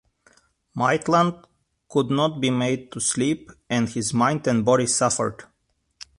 Maitland could not be made to sleep and his mind and body suffered.